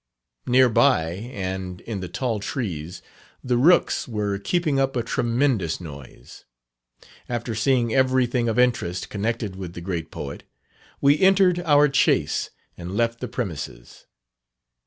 Near by, and in the tall trees, the rooks were keeping up a tremendous noise. After seeing everything of interest connected with the great poet, we entered our chaise, and left the premises.